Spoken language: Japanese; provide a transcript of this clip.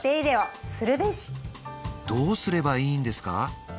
どうすればいいんですか？